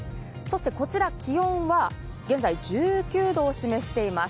こちら、気温は現在１９度を示しています。